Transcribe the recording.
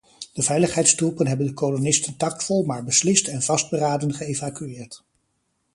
De veiligheidstroepen hebben de kolonisten tactvol maar beslist en vastberaden geëvacueerd.